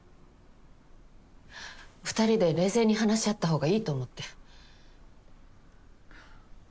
２人で冷静に話し合った方がいいと思って。